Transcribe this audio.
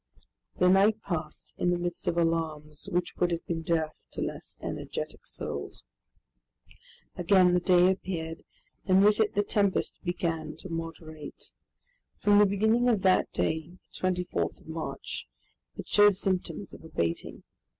The night passed in the midst of alarms which would have been death to less energetic souls. Again the day appeared and with it the tempest began to moderate. From the beginning of that day, the 24th of March, it showed symptoms of abating.